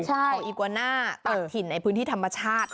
ของอีกวาน่าตัดถิ่นในพื้นที่ธรรมชาติ